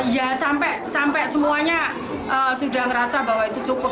ya sampai semuanya sudah merasa bahwa itu cukup